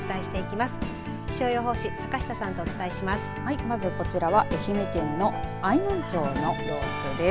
まずこちらは愛媛県の愛南町の様子です。